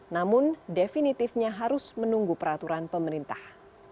namun definitifnya harus menunggu peraturan pemerintah